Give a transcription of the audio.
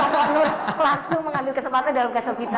pak nur langsung mengambil kesempatan dalam kasur pita